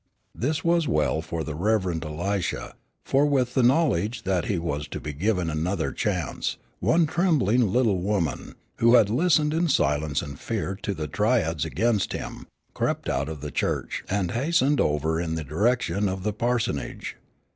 This was well for the Rev. Elisha, for with the knowledge that he was to be given another chance, one trembling little woman, who had listened in silence and fear to the tirades against him, crept out of the church, and hastened over in the direction of the parsonage.